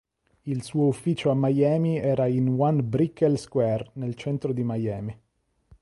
Il suo ufficio a Miami era in One Brickell Square nel centro di Miami.